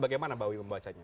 bagaimana mbak wi membacanya